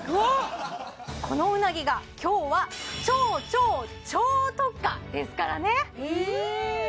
このうなぎが今日は超超超特価ですからねうん！